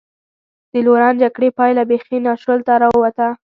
د لورن جګړې پایله بېخي ناشولته را ووته.